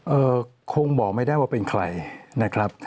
เอ่อคงบอกไม่ได้ว่าเป็นใครนะครับ